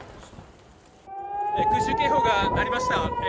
空襲警報が鳴りました。